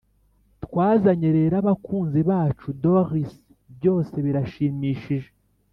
twazanye rero abakunzi bacu, doris byose birashimishije;